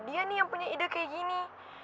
dia nih yang punya ide kayak gini